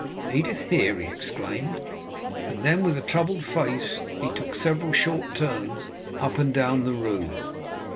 "Edith here!" he exclaimed, and then with a troubled face he took several short turns up and down the room.